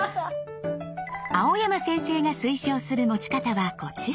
蒼山先生が推奨する持ち方はコチラ！